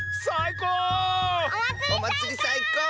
おまつりさいこう！